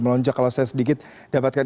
melonjak kalau saya sedikit dapatkan